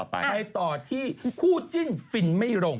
ไปต่อที่คู่จิ้นฟินไม่ลง